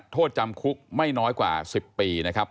โทษจำคุกไม่น้อยกว่า๑๐ปีนะครับ